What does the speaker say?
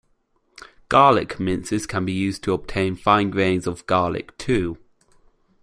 Garlic mincers can be used to obtain fine grains of garlic too.